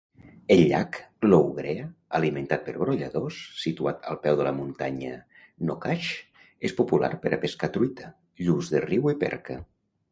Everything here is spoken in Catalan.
El llac Loughrea, alimentat per brolladors, situat al peu de la muntanya Knockash és popular per a pescar truita, lluç de riu i perca.